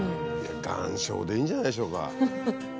岩礁でいいんじゃないでしょうか。